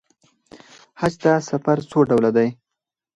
حج ته سفر څو ډوله دی.